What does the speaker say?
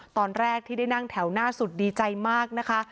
ตอนแรกที่ได้นั่งแถวหน้าสุดดีใจมากนะคะ